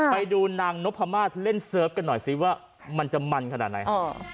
ไปดูนางนพมาศเล่นเซิร์ฟกันหน่อยสิว่ามันจะมันขนาดไหน